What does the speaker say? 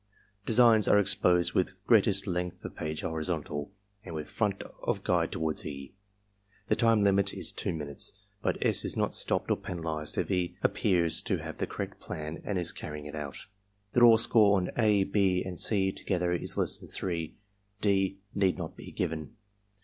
Designs are ex posed with greatest length of page horizontal, and with front of Guide toward E. The time limit is 2 minutes, but S. is not stopped or penalized if he appears to have the correct plan and is carrying it out. If the raw score on (a), (6), and (c) to gether is less than 3, (d) need not be given.